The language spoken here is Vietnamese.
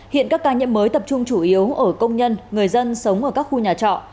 hiện các ca nhiễm mới tập trung chủ yếu ở công nhân người dân sống ở các khu nhà trọ